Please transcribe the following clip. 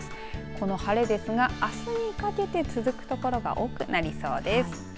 この晴れですが、あすにかけて続く所が多くなりそうです。